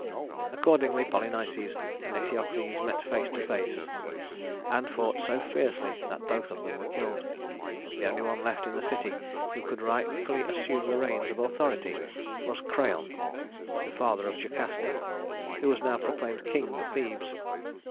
Accordingly Polynices and Eteocles met face to face, and fought so fiercely that both of them were killed. The only one left in the city who could rightfully assume the reins of authority was Creon, the father of Jocasta, who was now proclaimed king of Thebes.